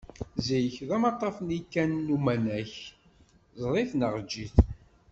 Zik d amaṭṭaf-nni kan n Uwanak, ẓer-it, neɣ eǧǧ-it!